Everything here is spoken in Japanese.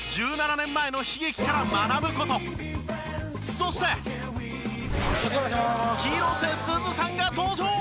そして広瀬すずさんが登場！